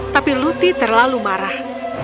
tapi luthi terlalu marah